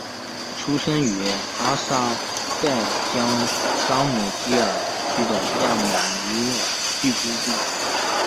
出生于阿塞拜疆沙姆基尔区的亚美尼亚人聚居的。